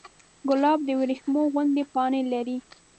ګلاب د وریښمو غوندې پاڼې لري.